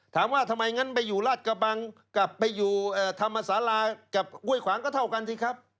ถามว่าทำไมงั้นไปอยู่ราชกระบังกลับไปอยู่ธรรมศาลากับห้วยขวางก็เท่ากันสิครับ